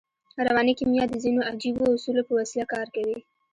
رواني کیمیا د ځينو عجیبو اصولو په وسیله کار کوي